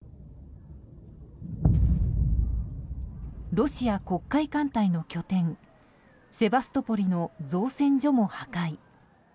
ロシア黒海艦隊の拠点セバストポリの造船所も破壊。